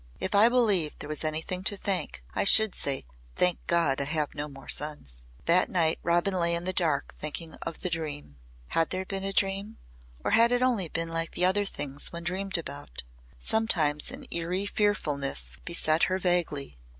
If I believed there was anything to thank, I should say 'Thank God I have no more sons.'" That night Robin lay in the dark thinking of the dream. Had there been a dream or had it only been like the other things one dreamed about? Sometimes an eerie fearfulness beset her vaguely.